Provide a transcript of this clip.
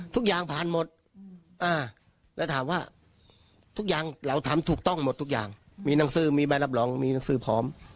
ทำถูกต้องหมดทุกอย่างมีหนังสือมีแบบรับรองมีหนังสือพร้อม